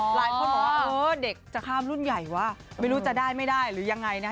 หลายคนบอกว่าเออเด็กจะข้ามรุ่นใหญ่ว่ะไม่รู้จะได้ไม่ได้หรือยังไงนะ